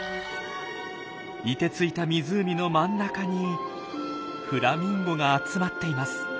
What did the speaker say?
凍てついた湖の真ん中にフラミンゴが集まっています。